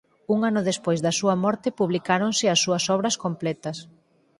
Un ano despois da súa morte publicáronse as súas obras completas.